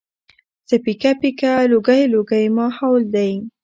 څه پيکه پيکه لوګی لوګی ماحول دی